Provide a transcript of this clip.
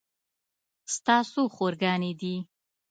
ستا څو خور ګانې دي